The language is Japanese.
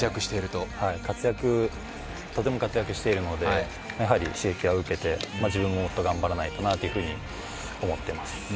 そうですね、とても活躍しているので、やはり刺激は受けて自分ももっと頑張らないとなと思っています。